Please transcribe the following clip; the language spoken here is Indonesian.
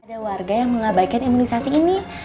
ada warga yang mengabaikan imunisasi ini